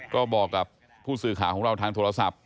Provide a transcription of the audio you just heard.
ก็บอกกับผู้สื่อข่าวของเราทางโทรศัพท์